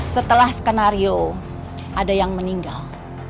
setelah skenario ada yang meninggal